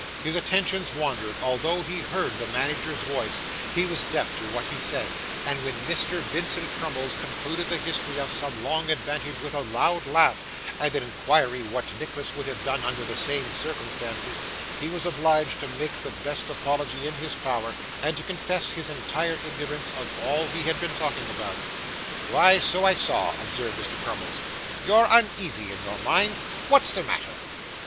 His attention wandered; although he heard the manager's voice, he was deaf to what he said; and when Mr. Vincent Crummles concluded the history of some long adventure with a loud laugh, and an inquiry what Nicholas would have done under the same circumstances, he was obliged to make the best apology in his power, and to confess his entire ignorance of all he had been talking about. 'Why, so I saw,' observed Mr. Crummles. 'You're uneasy in your mind. What's the matter?